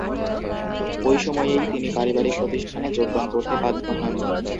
ঐ সময়েই তিনি পারিবারিক প্রতিষ্ঠানে যোগদান করতে বাধ্য হন।